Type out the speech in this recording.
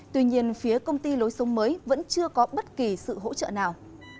tuy nhiên phía công ty lối sống mới vẫn chưa có bất kỳ sự hỗ trợ nào